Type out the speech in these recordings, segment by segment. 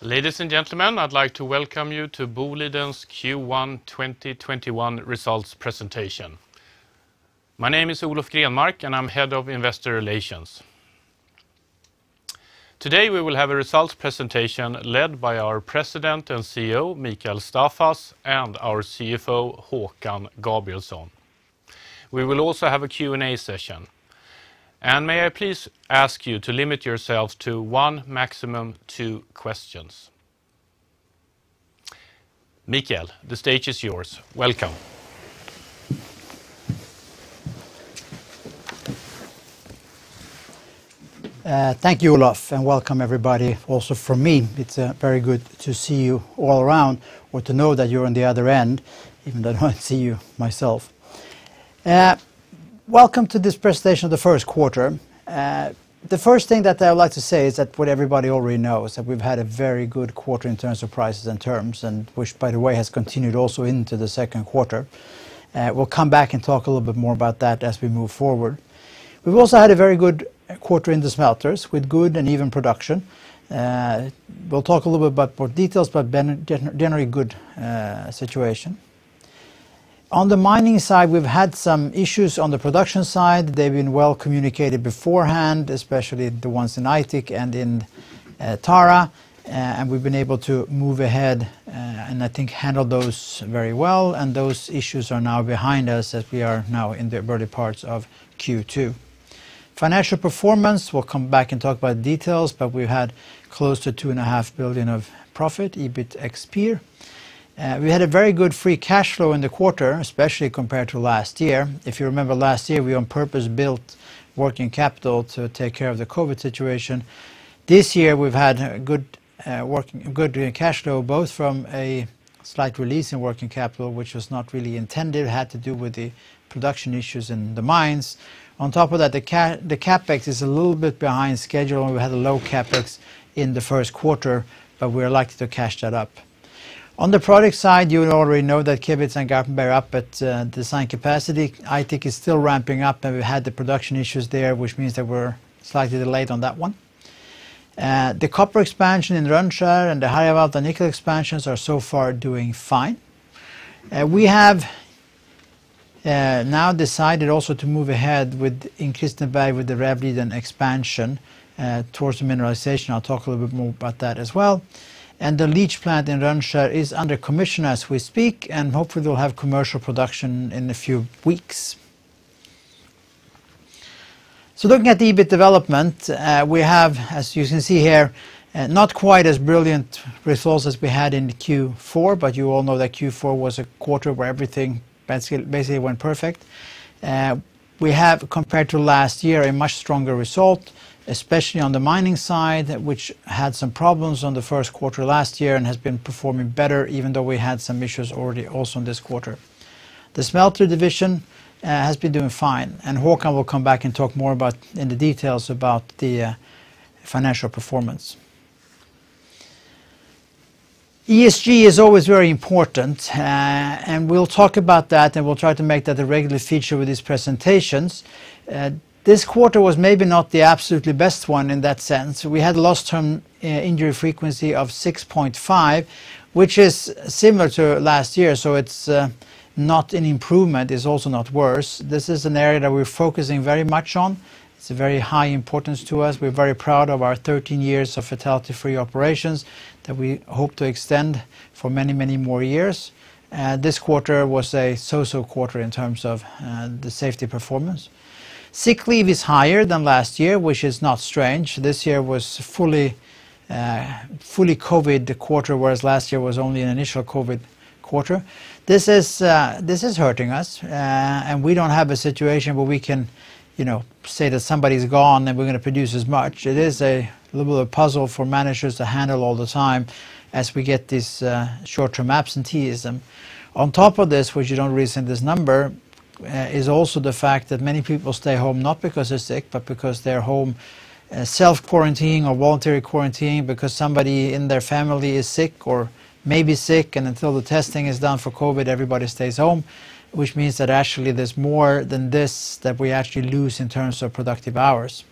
Ladies and gentlemen, I'd like to welcome you to Boliden's Q1 2021 results presentation. My name is Olof Grenmark, and I'm head of investor relations. Today, we will have a results presentation led by our President and CEO, Mikael Staffas, and our CFO, Håkan Gabrielsson. May I please ask you to limit yourselves to one, maximum two questions. Mikael, the stage is yours. Welcome. Thank you, Olof, and welcome everybody also from me. It's very good to see you all around or to know that you're on the other end, even though I don't see you myself. Welcome to this presentation of the first quarter. The first thing that I would like to say is that what everybody already knows, that we've had a very good quarter in terms of prices and terms, and which by the way, has continued also into the second quarter. We'll come back and talk a little bit more about that as we move forward. We've also had a very good quarter in the smelters with good and even production. We'll talk a little bit about more details, but generally good situation. On the mining side, we've had some issues on the production side. They've been well communicated beforehand, especially the ones in Aitik and in Tara, and we've been able to move ahead and I think handled those very well, and those issues are now behind us as we are now in the early parts of Q2. Financial performance, we'll come back and talk about details, but we had close to 2.5 billion of profit, EBIT. We had a very good free cash flow in the quarter, especially compared to last year. If you remember last year, we on purpose built working capital to take care of the COVID situation. This year we've had good cash flow, both from a slight release in working capital, which was not really intended, had to do with the production issues in the mines. The CapEx is a little bit behind schedule. We had a low CapEx in the first quarter, we're likely to catch that up. On the product side, you will already know that Kevitsa and Garpenberg are up at design capacity. Aitik is still ramping up. We had the production issues there, which means that we're slightly delayed on that one. The copper expansion in Rönnskär and the Harjavalta nickel expansions are so far doing fine. We have now decided also to move ahead with increased in value with the Rävliden expansion towards the mineralization. I'll talk a little bit more about that as well. The leach plant in Rönnskär is under commission as we speak. Hopefully they'll have commercial production in a few weeks. Looking at the EBIT development, we have, as you can see here, not quite as brilliant results as we had in the Q4, but you all know that Q4 was a quarter where everything basically went perfect. We have, compared to last year, a much stronger result, especially on the mining side, which had some problems on the first quarter last year and has been performing better even though we had some issues already also in this quarter. The smelter division has been doing fine, and Håkan will come back and talk more about in the details about the financial performance. ESG is always very important, and we'll talk about that, and we'll try to make that a regular feature with these presentations. This quarter was maybe not the absolutely best one in that sense. We had lost time injury frequency of 6.5, which is similar to last year, it's not an improvement. It's also not worse. This is an area that we're focusing very much on. It's a very high importance to us. We're very proud of our 13 years of fatality-free operations that we hope to extend for many, many more years. This quarter was a so-so quarter in terms of the safety performance. Sick leave is higher than last year, which is not strange. This year was fully COVID quarter, whereas last year was only an initial COVID quarter. This is hurting us, we don't have a situation where we can say that somebody's gone, and we're going to produce as much. It is a little bit of a puzzle for managers to handle all the time as we get this short-term absenteeism. On top of this, which you don't read in this number, is also the fact that many people stay home not because they're sick, but because they're home self-quarantining or voluntary quarantining because somebody in their family is sick or may be sick, and until the testing is done for COVID, everybody stays home, which means that actually there's more than this that we actually lose in terms of productive hours.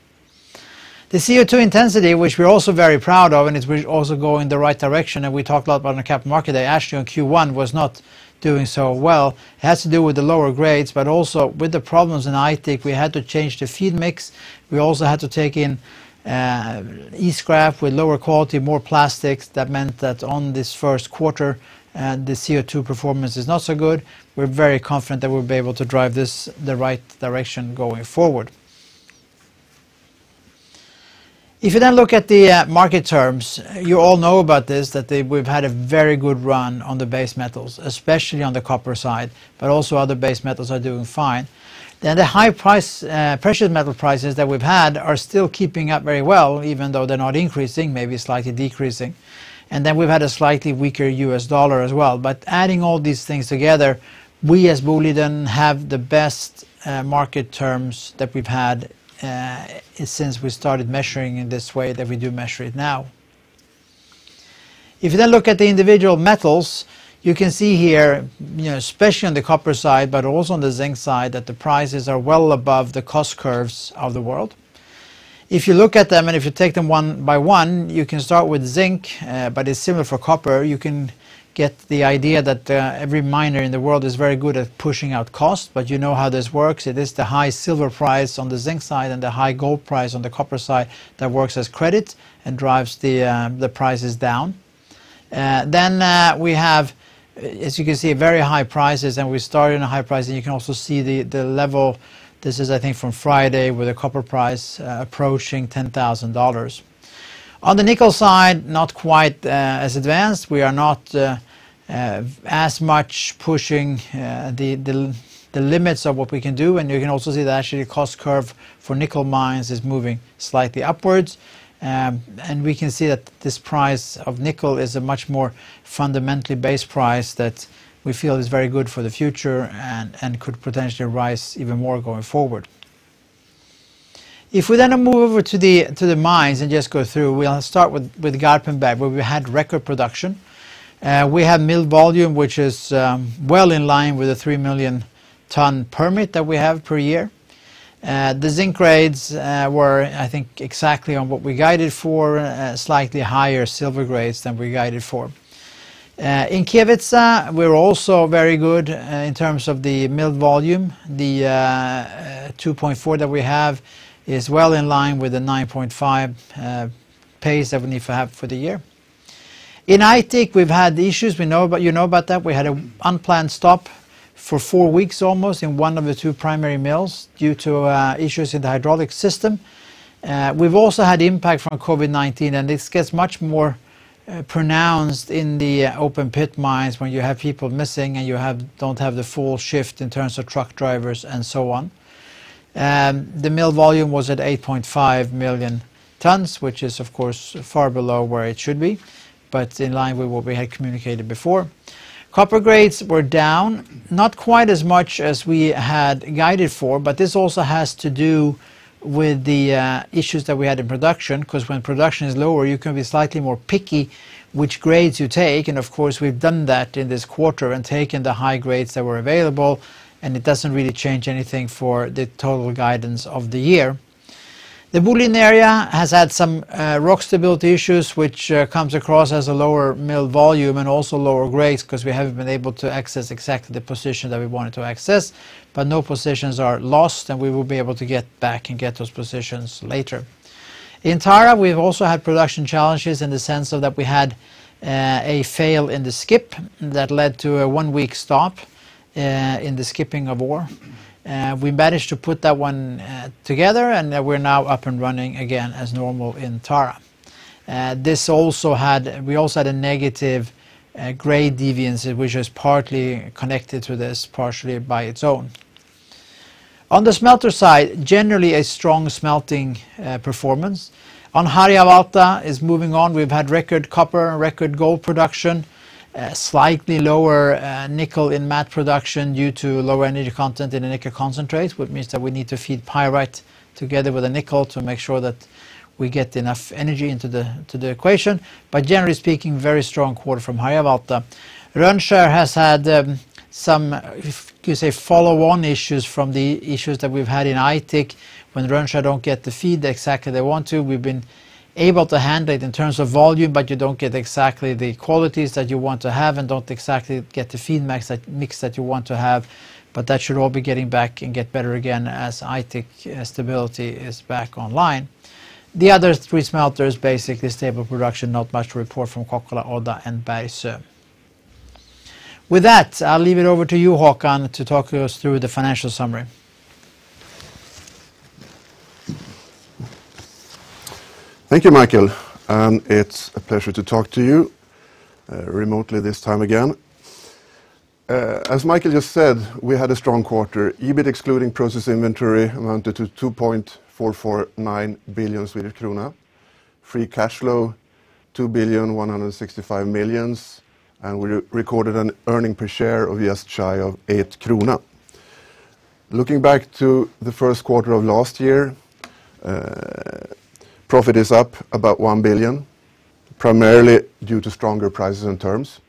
The CO2 intensity, which we're also very proud of, and it's also going the right direction, and we talked a lot about on the capital market day, actually on Q1 was not doing so well. It has to do with the lower grades, but also with the problems in Aitik, we had to change the feed mix. We also had to take in E-scrap with lower quality, more plastics. That meant that on this first quarter, the CO2 performance is not so good. We're very confident that we'll be able to drive this the right direction going forward. If you look at the market terms, you all know about this, that we've had a very good run on the base metals, especially on the copper side, but also other base metals are doing fine. The high price, precious metal prices that we've had are still keeping up very well, even though they're not increasing, maybe slightly decreasing. We've had a slightly weaker U.S. dollar as well. Adding all these things together, we as Boliden have the best market terms that we've had since we started measuring in this way that we do measure it now. If you look at the individual metals, you can see here, especially on the copper side, but also on the zinc side, that the prices are well above the cost curves of the world. If you look at them and if you take them one by one, you can start with zinc, but it's similar for copper. You can get the idea that every miner in the world is very good at pushing out cost, but you know how this works. It is the high silver price on the zinc side and the high gold price on the copper side that works as credit and drives the prices down. We have, as you can see, very high prices, and we started on a high price, and you can also see the level. This is, I think, from Friday with the copper price approaching $10,000. The nickel side, not quite as advanced. We are not as much pushing the limits of what we can do, and you can also see that actually cost curve for nickel mines is moving slightly upwards. We can see that this price of nickel is a much more fundamentally base price that we feel is very good for the future and could potentially rise even more going forward. If we then move over to the mines and just go through, we'll start with Garpenberg, where we had record production. We have mill volume, which is well in line with the 3 million ton permit that we have per year. The zinc grades were, I think, exactly on what we guided for, slightly higher silver grades than we guided for. In Kevitsa, we're also very good in terms of the mill volume. The 2.4 that we have is well in line with the 9.5 pace that we need to have for the year. In Aitik, we've had issues. You know about that. We had an unplanned stop for four weeks almost in one of the two primary mills due to issues in the hydraulic system. We've also had impact from COVID-19, and this gets much more pronounced in the open pit mines when you have people missing and you don't have the full shift in terms of truck drivers and so on. The mill volume was at 8.5 million tons, which is of course far below where it should be, but in line with what we had communicated before. Copper grades were down, not quite as much as we had guided for, but this also has to do with the issues that we had in production, because when production is lower, you can be slightly more picky which grades you take, and of course, we've done that in this quarter and taken the high grades that were available, and it doesn't really change anything for the total guidance of the year. The Boliden area has had some rock stability issues, which comes across as a lower mill volume and also lower grades because we haven't been able to access exactly the position that we wanted to access, but no positions are lost, and we will be able to get back and get those positions later. In Tara, we've also had production challenges in the sense that we had a fail in the skip that led to a one-week stop in the skipping of ore. We managed to put that one together, and we're now up and running again as normal in Tara. We also had a negative grade deviance, which was partly connected to this, partially by its own. On the smelter side, generally a strong smelting performance. On Harjavalta is moving on. We've had record copper and record gold production, slightly lower nickel in matte production due to lower energy content in the nickel concentrate, which means that we need to feed pyrite together with the nickel to make sure that we get enough energy into the equation. Generally speaking, very strong quarter from Harjavalta. Rönnskär has had some, if you say, follow-on issues from the issues that we've had in Aitik, when Rönnskär don't get the feed exactly they want to. We've been able to handle it in terms of volume, but you don't get exactly the qualities that you want to have and don't exactly get the feed mix that you want to have. That should all be getting back and get better again as Aitik stability is back online. The other three smelters, basically stable production, not much to report from Kokkola, Odda, and Bergsöe. With that, I'll leave it over to you, Håkan, to talk us through the financial summary. Thank you, Mikael. It's a pleasure to talk to you remotely this time again. As Mikael just said, we had a strong quarter. EBIT, excluding process inventory, amounted to 2.449 billion Swedish krona. Free cash flow, 2.165 billion, and we recorded an earning per share of just shy of 8 krona. Looking back to the first quarter of last year, profit is up about 1 billion, primarily due to stronger prices and terms.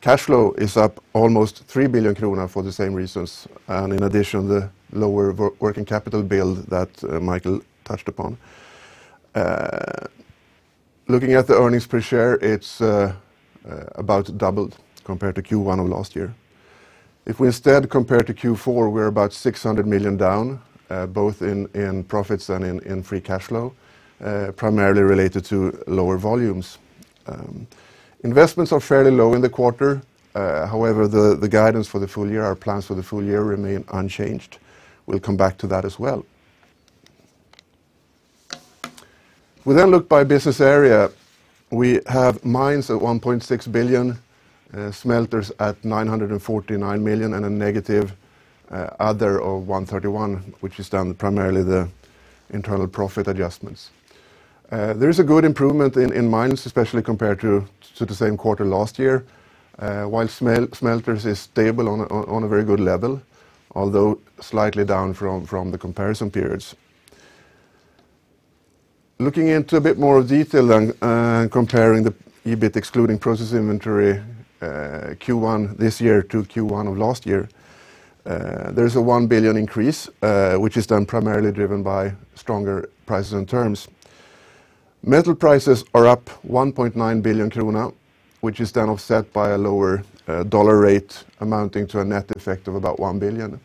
Cash flow is up almost 3 billion kronor for the same reasons, and in addition, the lower working capital build that Mikael touched upon. Looking at the earnings per share, it's about doubled compared to Q1 of last year. If we instead compare to Q4, we're about 600 million down, both in profits and in free cash flow, primarily related to lower volumes. Investments are fairly low in the quarter. However, the guidance for the full year, our plans for the full year remain unchanged. We'll come back to that as well. We look by business area. We have mines at 1.6 billion, smelters at 949 million, and a negative other of 131, which is down primarily the internal profit adjustments. There is a good improvement in mines, especially compared to the same quarter last year, while smelters is stable on a very good level, although slightly down from the comparison periods. Looking into a bit more detail, comparing the EBIT excluding process inventory, Q1 this year to Q1 of last year, there's a 1 billion increase, which is primarily driven by stronger prices and terms. Metal prices are up 1.9 billion krona, which is offset by a lower USD rate amounting to a net effect of about 1 billion.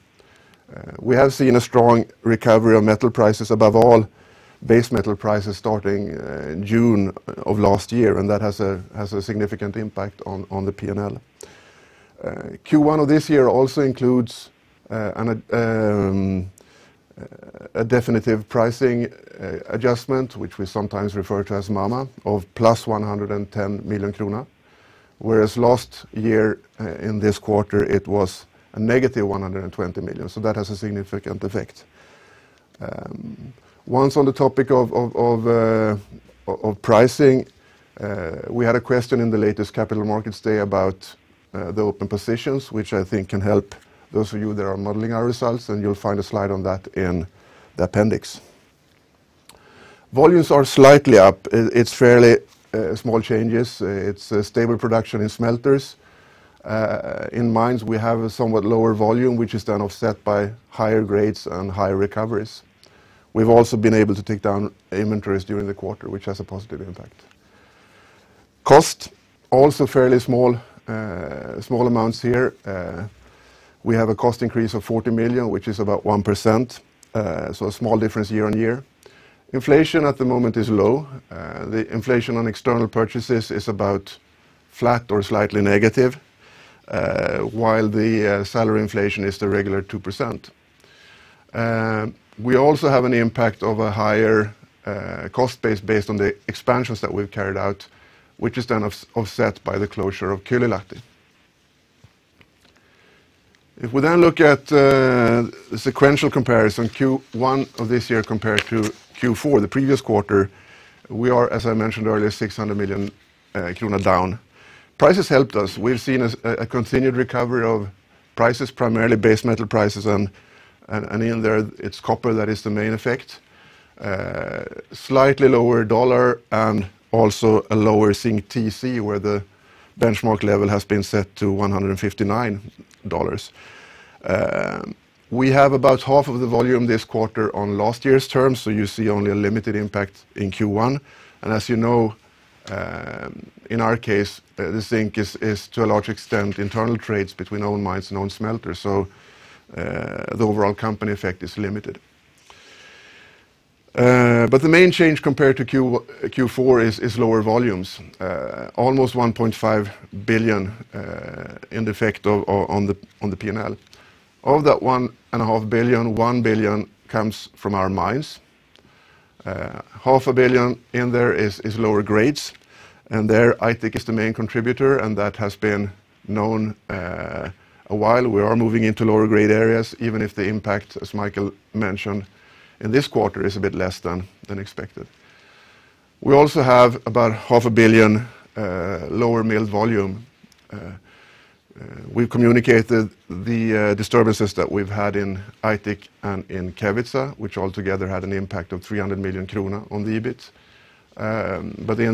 We have seen a strong recovery of metal prices above all base metal prices starting in June of last year, and that has a significant impact on the P&L. Q1 of this year also includes a definitive pricing adjustment, which we sometimes refer to as MAMA, of +110 million krona, whereas last year, in this quarter, it was a -120 million. That has a significant effect. Once on the topic of pricing, we had a question in the latest capital markets day about the open positions, which I think can help those of you that are modeling our results, and you'll find a slide on that in the appendix. Volumes are slightly up. It's fairly small changes. It's a stable production in smelters. In mines, we have a somewhat lower volume, which is then offset by higher grades and higher recoveries. We've also been able to take down inventories during the quarter, which has a positive impact. Cost, also fairly small amounts here. We have a cost increase of 40 million, which is about 1%, so a small difference year-on-year. Inflation at the moment is low. The inflation on external purchases is about flat or slightly negative, while the salary inflation is the regular 2%. We also have an impact of a higher cost base based on the expansions that we've carried out, which is then offset by the closure of Kylylahti. If we look at the sequential comparison, Q1 of this year compared to Q4, the previous quarter, we are, as I mentioned earlier, 600 million krona down. Prices helped us. We've seen a continued recovery of prices, primarily base metal prices, and in there, it's copper that is the main effect. Slightly lower USD and also a lower zinc TC, where the benchmark level has been set to $159. We have about half of the volume this quarter on last year's terms, so you see only a limited impact in Q1. As you know, in our case, the zinc is to a large extent internal trades between own mines and own smelters. The overall company effect is limited. The main change compared to Q4 is lower volumes. Almost 1.5 billion in the effect on the P&L. Of that 1.5 billion, 1 billion comes from our mines. Half a billion in there is lower grades, and there Aitik is the main contributor, and that has been known a while. We are moving into lower grade areas, even if the impact, as Mikael mentioned, in this quarter is a bit less than expected. We also have about half a billion lower mill volume. We've communicated the disturbances that we've had in Aitik and in Kevitsa, which altogether had an impact of 300 million krona on the EBIT.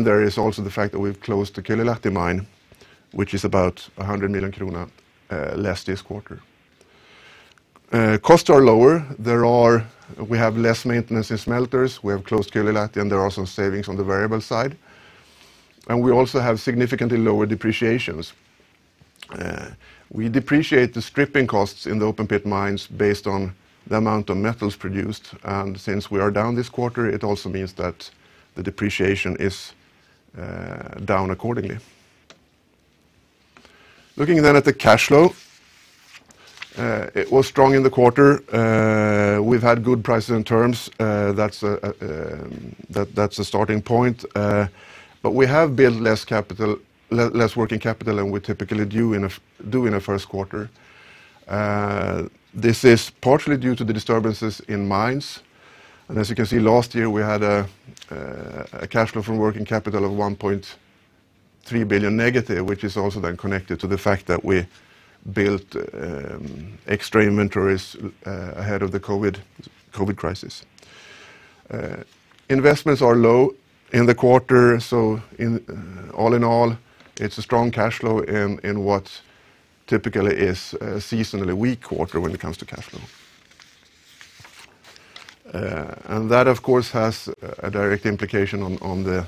There is also the fact that we've closed the Kylylahti mine, which is about 100 million krona less this quarter. Costs are lower. We have less maintenance in smelters. We have closed Kylylahti, and there are some savings on the variable side. We also have significantly lower depreciations. We depreciate the stripping costs in the open pit mines based on the amount of metals produced. Since we are down this quarter, it also means that the depreciation is down accordingly. Looking at the cash flow. It was strong in the quarter. We've had good prices and terms. That's a starting point. We have built less working capital than we typically do in a first quarter. This is partially due to the disturbances in mines. As you can see, last year we had a cash flow from working capital of 1.3 billion negative, which is also connected to the fact that we built extra inventories ahead of the COVID-19 crisis. Investments are low in the quarter. All in all, it's a strong cash flow in what typically is a seasonally weak quarter when it comes to cash flow. That, of course, has a direct implication on the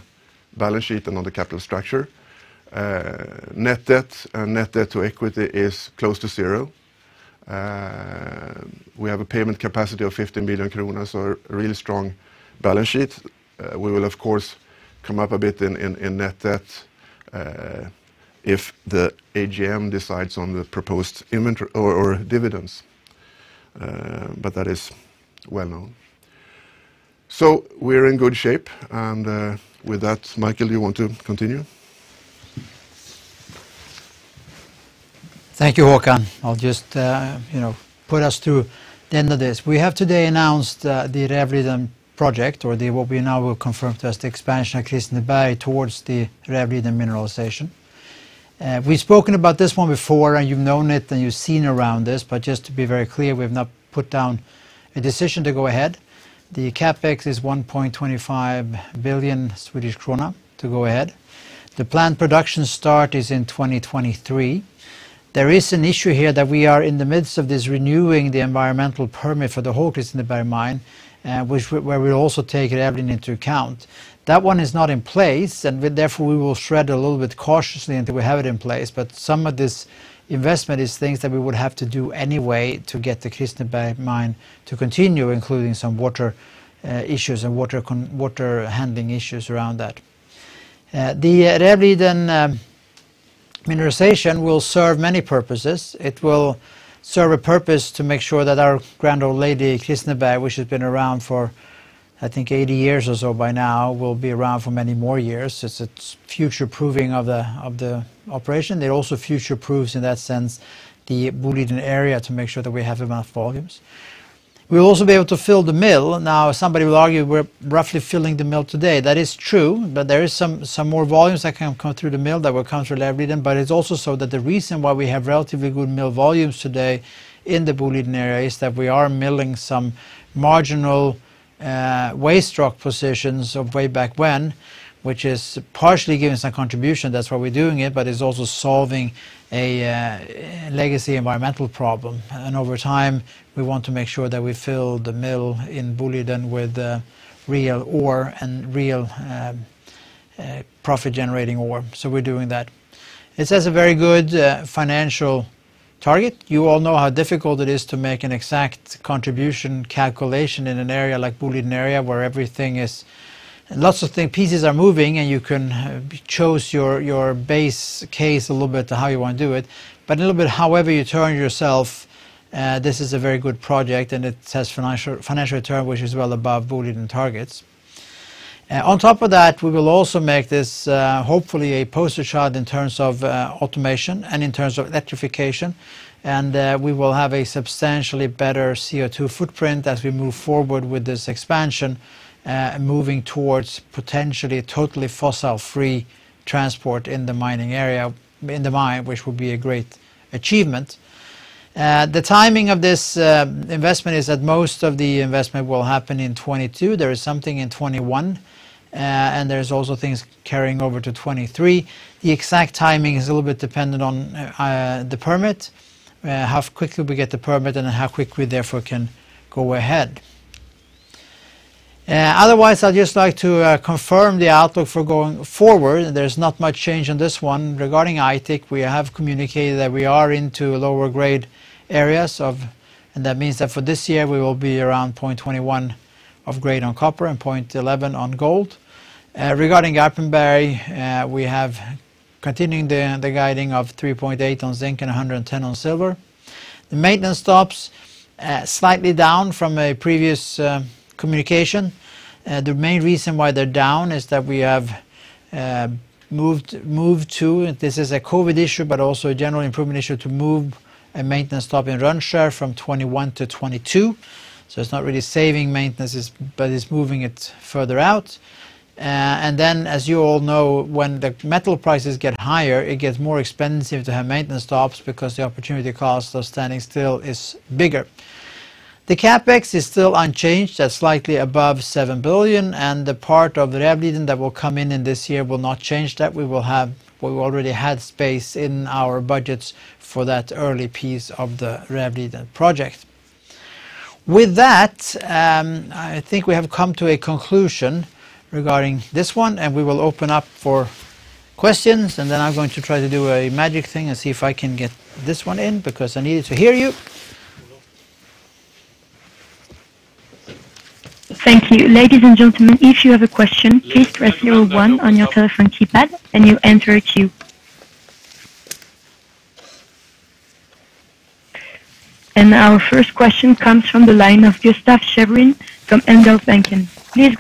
balance sheet and on the capital structure. Net debt and net debt to equity is close to zero. We have a payment capacity of 15 billion kronor so a really strong balance sheet. We will of course come up a bit in net debt if the AGM decides on the proposed dividends, but that is well known. We're in good shape. With that, Mikael, you want to continue? Thank you, Håkan. I'll just put us to the end of this. We have today announced the Rävliden project, or what we now will confirm to as the expansion of Kristineberg towards the Rävliden mineralization. We've spoken about this one before, and you've known it, and you've seen around this, but just to be very clear, we've not put down a decision to go ahead. The CapEx is 1.25 billion Swedish krona to go ahead. The planned production start is in 2023. There is an issue here that we are in the midst of this renewing the environmental permit for the whole Kristineberg mine, where we'll also take Rävliden into account. That one is not in place, and therefore we will tread a little bit cautiously until we have it in place. Some of this investment is things that we would have to do anyway to get the Kristineberg mine to continue, including some water issues and water handling issues around that. The Rävliden mineralisation will serve many purposes. It will serve a purpose to make sure that our grand old lady, Kristineberg, which has been around for, I think, 80 years or so by now, will be around for many more years. It's a future-proofing of the operation. They also future-proofs, in that sense, the Boliden area to make sure that we have enough volumes. We'll also be able to fill the mill. Somebody will argue we're roughly filling the mill today. That is true. There is some more volumes that can come through the mill that will come through Rävliden. It's also so that the reason why we have relatively good mill volumes today in the Boliden area is that we are milling some marginal waste rock positions of way back when, which is partially giving some contribution. That's why we're doing it. It's also solving a legacy environmental problem. Over time, we want to make sure that we fill the mill in Boliden with real ore and real profit-generating ore. We're doing that. It sets a very good financial target. You all know how difficult it is to make an exact contribution calculation in an area like Boliden area, where lots of pieces are moving, and you can choose your base case a little bit to how you want to do it. A little bit however you turn yourself, this is a very good project, and it sets financial return, which is well above Boliden targets. On top of that, we will also make this, hopefully, a poster child in terms of automation and in terms of electrification. We will have a substantially better CO2 footprint as we move forward with this expansion, moving towards potentially totally fossil-free transport in the mine, which will be a great achievement. The timing of this investment is that most of the investment will happen in 2022. There is something in 2021, and there's also things carrying over to 2023. The exact timing is a little bit dependent on the permit, how quickly we get the permit, and how quickly, therefore, can go ahead. Otherwise, I'd just like to confirm the outlook for going forward. There's not much change on this one. Regarding Aitik, we have communicated that we are into lower grade areas, that means that for this year we will be around 0.21 of grade on copper and 0.11 on gold. Regarding Garpenberg, we have continuing the guiding of 3.8 on zinc and 110 on silver. The maintenance stops slightly down from a previous communication. The main reason why they're down is that we have moved to, this is a COVID issue, but also a general improvement issue to move a maintenance stop in Rönnskär from 2021 to 2022. It's not really saving maintenance, but it's moving it further out. As you all know, when the metal prices get higher, it gets more expensive to have maintenance stops because the opportunity cost of standing still is bigger. The CapEx is still unchanged at slightly above 7 billion. The part of Rävliden that will come in in this year will not change that. We already had space in our budgets for that early piece of the Rävliden project. With that, I think we have come to a conclusion regarding this one. We will open up for questions. Then I'm going to try to do a magic thing and see if I can get this one in because I needed to hear you. Thank you. Ladies and gentlemen, if you have a question please press zero one on your telephone keypad and you will enter queue. Our first question comes from the line of Gustaf Sjöberg from ABG Sundal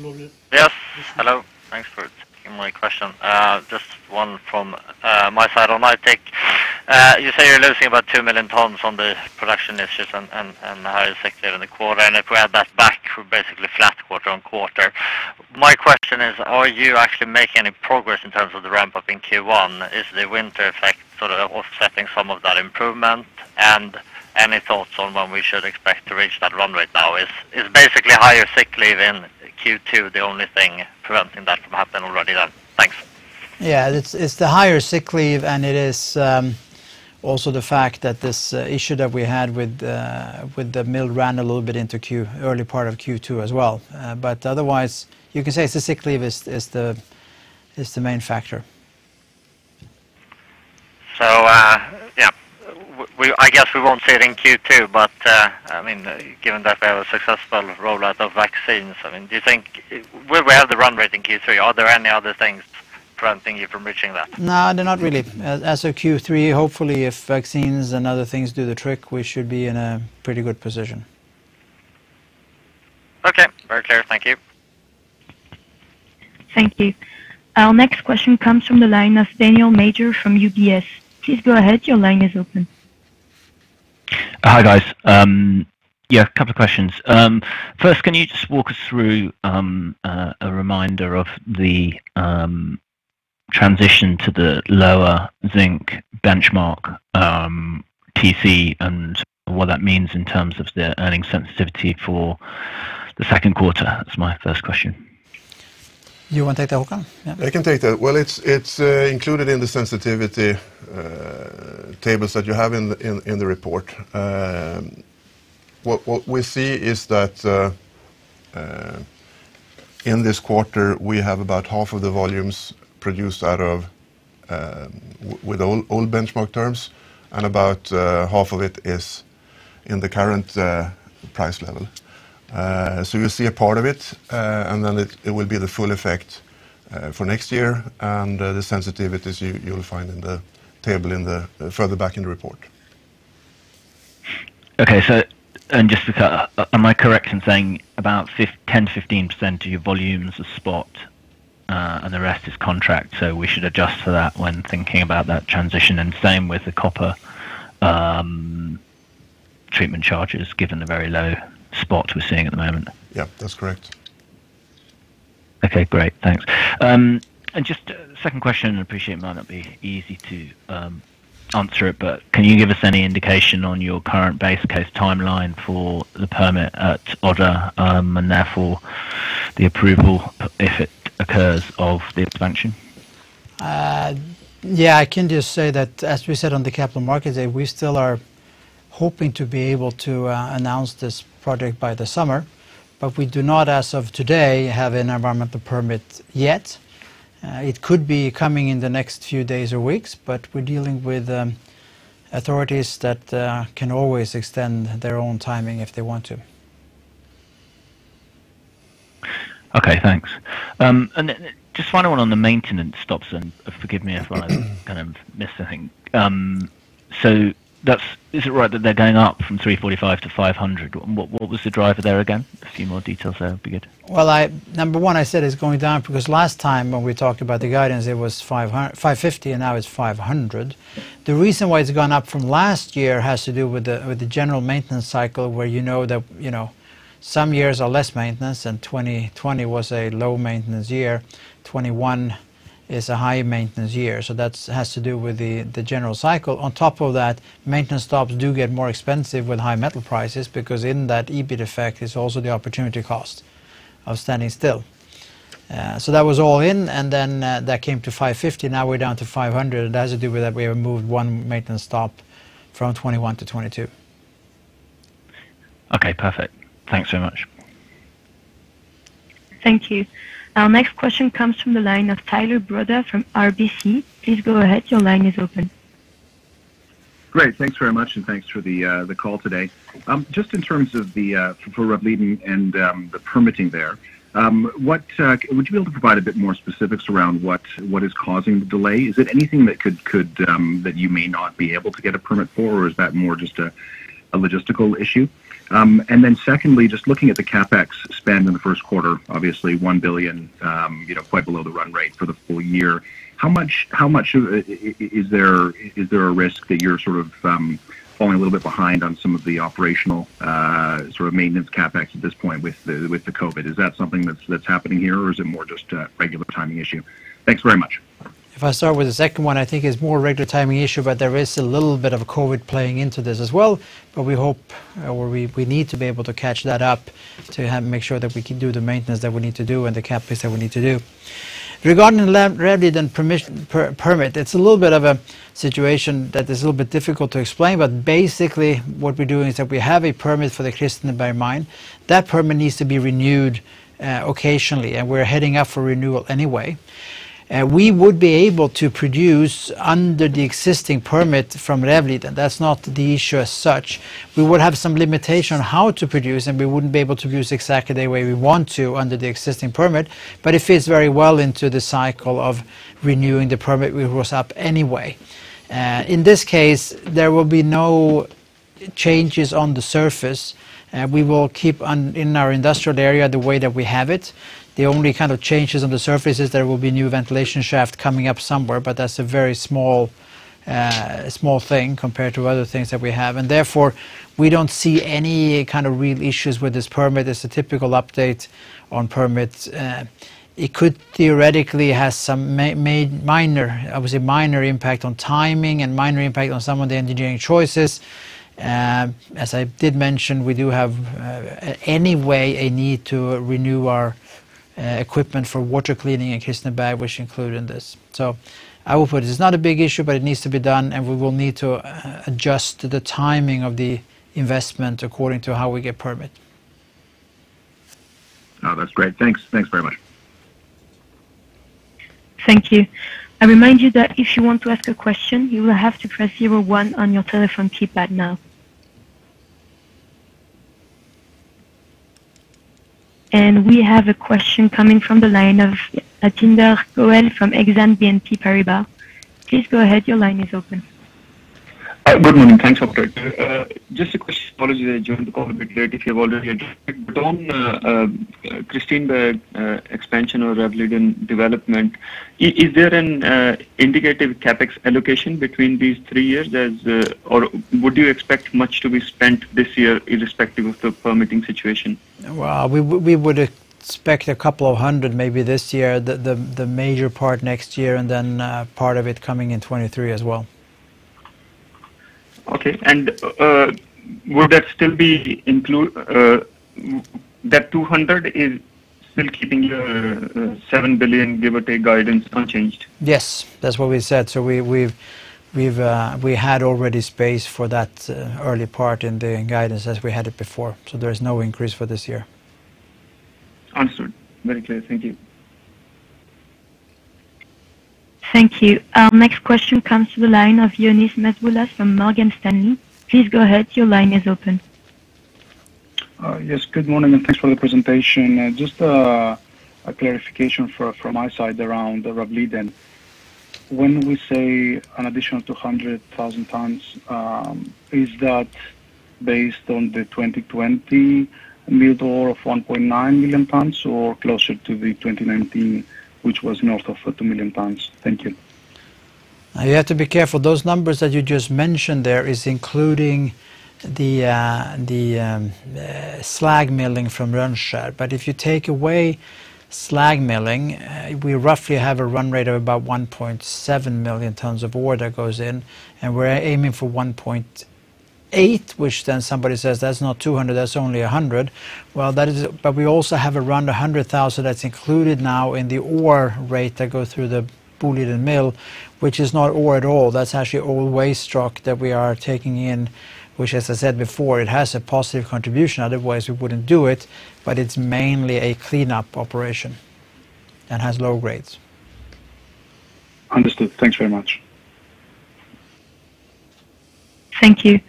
Collier. Yes. Hello. Thanks for taking my question. Just one from my side on Aitik. You say you're losing about 2 million tons on the production issues and the higher sick leave in the quarter. If we add that back, we're basically flat quarter-on-quarter. My question is, are you actually making any progress in terms of the ramp-up in Q1? Is the winter effect sort of offsetting some of that improvement? Any thoughts on when we should expect to reach that run rate now? Is basically higher sick leave in Q2 the only thing preventing that from happening already then? Thanks. Yeah. It's the higher sick leave, and it is also the fact that this issue that we had with the mill ran a little bit into early part of Q2 as well. Otherwise, you can say it's the sick leave is the main factor. Yeah. I guess we won't see it in Q2, but given that we have a successful rollout of vaccines, do you think we'll have the run rate in Q3? Are there any other things preventing you from reaching that? No, there are not really. As of Q3, hopefully, if vaccines and other things do the trick, we should be in a pretty good position. Okay. Very clear. Thank you. Thank you. Our next question comes from the line of Daniel Major from UBS. Please go ahead. Your line is open. Hi, guys. Yeah, a couple of questions. First, can you just walk us through a reminder of the transition to the lower zinc benchmark TC and what that means in terms of the earning sensitivity for the second quarter? That's my first question. You want to take that, Håkan? Yeah. I can take that. Well, it's included in the sensitivity tables that you have in the report. What we see is that in this quarter, we have about half of the volumes produced with old benchmark terms and about half of it is in the current price level. You'll see a part of it, and then it will be the full effect for next year and the sensitivities you will find in the table further back in the report. Okay. Just to cut, am I correct in saying about 10%-15% of your volumes are spot, and the rest is contract? We should adjust for that when thinking about that transition, and same with the copper treatment charges, given the very low spot we are seeing at the moment. Yeah, that's correct. Okay, great. Thanks. Just a second question, I appreciate it might not be easy to answer it, can you give us any indication on your current base case timeline for the permit at Odda, and therefore the approval, if it occurs, of the expansion? I can just say that as we said on the capital markets day, we still are hoping to be able to announce this project by the summer, but we do not, as of today, have an environmental permit yet. It could be coming in the next few days or weeks, but we're dealing with authorities that can always extend their own timing if they want to. Okay, thanks. Just final one on the maintenance stops, and forgive me if I kind of missed anything. Is it right that they're going up from 345 to 500? What was the driver there again? A few more details there would be good. Well, number one, I said it's going down because last time when we talked about the guidance, it was 550, and now it's 500. The reason why it's gone up from last year has to do with the general maintenance cycle where you know that some years are less maintenance, and 2020 was a low maintenance year. 2021 is a high maintenance year, so that has to do with the general cycle. On top of that, maintenance stops do get more expensive with high metal prices because in that EBIT effect is also the opportunity cost of standing still. That was all in, and then that came to 550, now we're down to 500, and that has to do with that we have moved one maintenance stop from 2021 to 2022. Okay, perfect. Thanks so much. Thank you. Our next question comes from the line of Tyler Broda from RBC. Please go ahead. Your line is open. Great. Thanks very much, and thanks for the call today. Just in terms of the Rävliden and the permitting there, would you be able to provide a bit more specifics around what is causing the delay? Is it anything that you may not be able to get a permit for, or is that more just a logistical issue? Secondly, just looking at the CapEx spend in the first quarter, obviously 1 billion, quite below the run rate for the full year. How much is there a risk that you're sort of falling a little bit behind on some of the operational sort of maintenance CapEx at this point with the COVID? Is that something that's happening here, or is it more just a regular timing issue? Thanks very much. If I start with the second one, I think it's more a regular timing issue, but there is a little bit of COVID playing into this as well. We hope, or we need to be able to catch that up to make sure that we can do the maintenance that we need to do and the CapEx that we need to do. Regarding Rävliden and permit, it's a little bit of a situation that is a little bit difficult to explain, but basically what we're doing is that we have a permit for the Kristineberg mine. That permit needs to be renewed occasionally, and we're heading up for renewal anyway. We would be able to produce under the existing permit from Rävliden. That's not the issue as such. We would have some limitation on how to produce, and we wouldn't be able to produce exactly the way we want to under the existing permit, but it fits very well into the cycle of renewing the permit we was up anyway. In this case, there will be no changes on the surface. We will keep in our industrial area the way that we have it. The only kind of changes on the surface is there will be new ventilation shaft coming up somewhere, but that's a very small thing compared to other things that we have. Therefore, we don't see any kind of real issues with this permit. It's a typical update on permits. It could theoretically have some minor, I would say, minor impact on timing and minor impact on some of the engineering choices. As I did mention, we do have anyway a need to renew our equipment for water cleaning in Kristineberg, which include in this. I will put it's not a big issue, but it needs to be done, and we will need to adjust the timing of the investment according to how we get permit. No, that's great. Thanks. Thanks very much. Thank you. I remind you that if you want to ask a question, you will have to press zero one on your telephone keypad now. We have a question coming from the line of Jatinder Goel from Exane BNP Paribas. Please go ahead. Your line is open. Good morning. Thanks, operator. Just a question, apologies I joined the call a bit late if you've already addressed it, on Kristineberg expansion or Rävliden development, is there an indicative CapEx allocation between these three years? Or would you expect much to be spent this year irrespective of the permitting situation? Well, we would expect a couple hundred maybe this year, the major part next year, part of it coming in 2023 as well. Okay. Would that still include, that 200 is still keeping your 7 billion, give or take, guidance unchanged? Yes. That's what we said. We had already spaced for that early part in the guidance as we had it before. There's no increase for this year. Understood. Very clear. Thank you. Thank you. Our next question comes to the line of Ioannis Masvoulas from Morgan Stanley. Please go ahead. Your line is open. Yes. Good morning, and thanks for the presentation. Just a clarification from my side around the Rävliden. When we say an additional 200,000 tons, is that based on the 2020 mill door of 1.9 million tons or closer to the 2019, which was north of 2 million tons? Thank you. You have to be careful. Those numbers that you just mentioned there is including the slag milling from Rönnskär. If you take away slag milling, we roughly have a run rate of about 1.7 million tons of ore that goes in, and we're aiming for 1.8, which then somebody says, "That's not 200, that's only 100." We also have around 100,000 that's included now in the ore rate that go through the Boliden mill, which is not ore at all. That's actually all waste rock that we are taking in, which, as I said before, it has a positive contribution, otherwise we wouldn't do it, but it's mainly a cleanup operation and has low grades. Understood. Thanks very much. Thank you.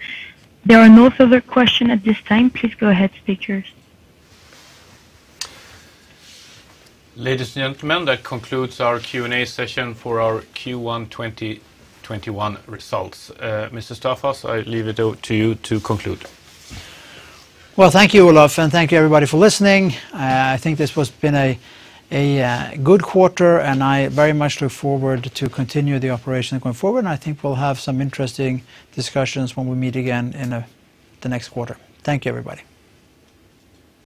There are no further questions at this time. Please go ahead, speakers. Ladies and gentlemen, that concludes our Q&A session for our Q1 2021 results. Mr. Staffas, I leave it up to you to conclude. Well, thank you, Olof, and thank you everybody for listening. I think this has been a good quarter, and I very much look forward to continue the operation going forward, and I think we'll have some interesting discussions when we meet again in the next quarter. Thank you, everybody.